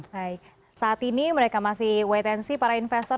baik saat ini mereka masih wait and see para investor